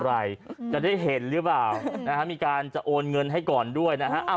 อะไรจะได้เห็นหรือเปล่านะฮะมีการจะโอนเงินให้ก่อนด้วยนะฮะ